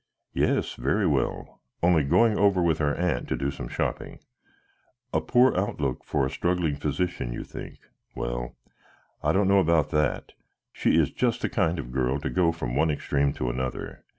"Yes, very well; only going over with her aunt to do some shopping. A poor outlook for a struggling physician, you think. Well, I don't know about that; she is just the kind of a girl to go from one extreme to another.